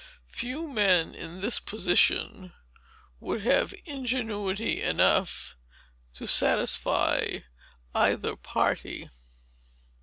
Few men, in this position, would have ingenuity enough to satisfy either party.